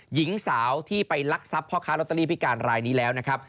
หญิงสาวที่ไปลักทรัพย์พ่อค้าลอตเตอรี่พิการรายนี้แล้วนะครับ